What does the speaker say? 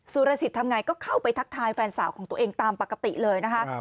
สุรสิทธิ์ทำไงก็เข้าไปทักทายแฟนสาวของตัวเองตามปกติเลยนะคะ